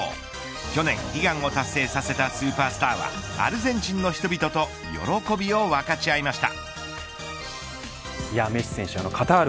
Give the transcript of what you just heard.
去年悲願を達成させたさせたスーパースターはアルゼンチンの人々と喜びを分かち合いました。